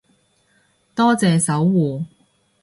多謝守護